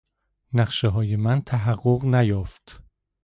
نقشههای من تحقق نیافت.